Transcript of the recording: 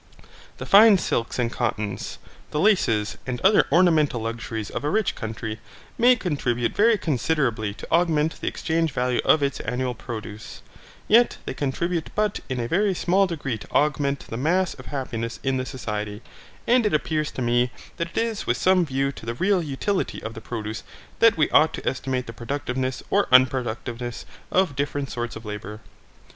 The fine silks and cottons, the laces, and other ornamental luxuries of a rich country, may contribute very considerably to augment the exchangeable value of its annual produce; yet they contribute but in a very small degree to augment the mass of happiness in the society, and it appears to me that it is with some view to the real utility of the produce that we ought to estimate the productiveness or unproductiveness of different sorts of labour.